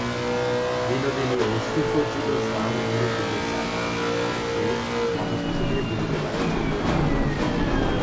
বিনোদিনী এই সুসজ্জিত শয়নঘরের দিকে চায়, আর সে কথা কিছুতেই ভুলিতে পারে না।